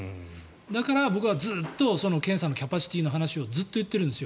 だから僕はずっと検査のキャパシティーの話をずっと言ってるんです。